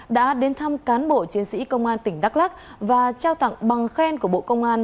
đã đến thăm cán bộ chiến sĩ công an tỉnh đắk lắc và trao tặng bằng khen của bộ công an